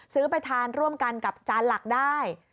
ไปทานร่วมกันกับจานหลักได้